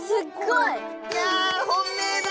いや本命だ！